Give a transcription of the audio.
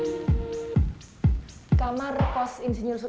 di sini juga banyak berbicara tentang pembahasan dan pembahasan